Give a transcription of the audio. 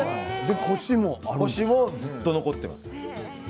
コシもずっと残っています。